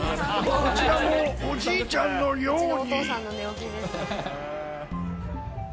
こちらもおじいちゃんのように。